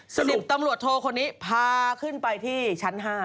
สิบตำรวจโทคนนี้พาขึ้นไปที่ชั้น๕